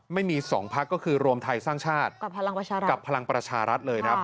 ไม่มี๒พรรคก็คือรวมไทยสร้างชาติกับพลังประชารัฐเลยครับ